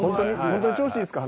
ほんとに調子いいですか？